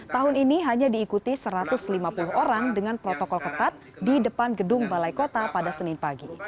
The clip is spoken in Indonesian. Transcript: tahun ini hanya diikuti satu ratus lima puluh orang dengan protokol ketat di depan gedung balai kota pada senin pagi